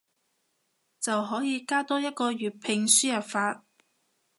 就可以加多一個粵拼輸入法